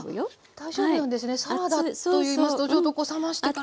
大丈夫なんですねサラダといいますとちょっとこう冷ましてからじゃないと。